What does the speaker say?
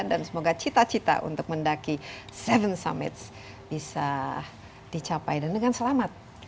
dan semoga cita cita untuk mendaki seven summits bisa dicapai dan dengan selamat